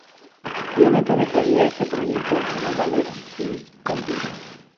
Violeta dejaría este proyecto de ballet inconcluso.